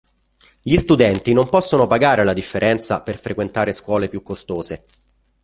Gli studenti non possono pagare la differenza per frequentare scuole più costose.